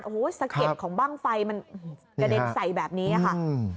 โอ้โหสะเก็ดของบ้างไฟมันกระเด็นใส่แบบนี้ค่ะอืม